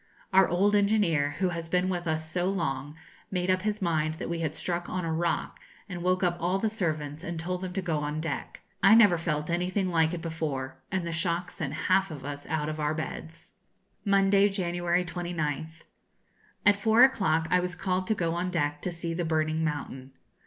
Our old engineer, who has been with us so long, made up his mind that we had struck on a rock, and woke up all the servants and told them to go on deck. I never felt anything like it before, and the shock sent half of us out of our beds. Monday, January 29th. At four o'clock I was called to go on deck to see the burning mountain.